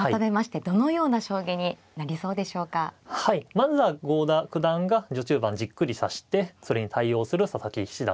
まずは郷田九段が序中盤じっくり指してそれに対応する佐々木七段。